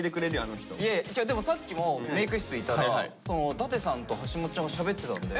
さっきもメーク室いたら舘さんとはしもっちゃんがしゃべってたんで。